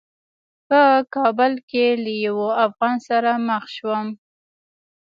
په کابل کې له یوه افغان سره مخ شوم.